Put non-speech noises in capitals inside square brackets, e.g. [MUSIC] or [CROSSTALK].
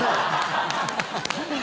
ハハハ [LAUGHS]